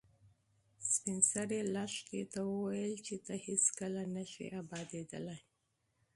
سپین سرې لښتې ته وویل چې ته هیڅکله نه شې ابادېدلی.